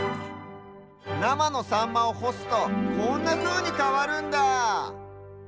なまのサンマをほすとこんなふうにかわるんだ！